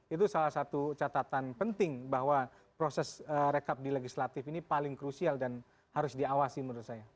itu salah satu catatan penting bahwa proses rekap di legislatif ini paling krusial dan harus diawasi menurut saya